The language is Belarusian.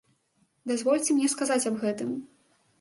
Дазвольце мне сказаць аб гэтым.